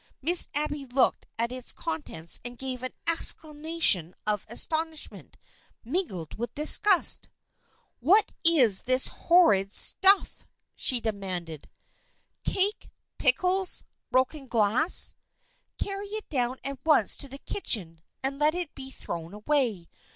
Miss Abby looked at its contents and gave an exclamation of aston ishment mingled with disgust. " What is this horrid stuff? " she demanded. " Cake ! Pickles ! Broken glass ! Carry it down at once to the kitchen and let it be thrown away.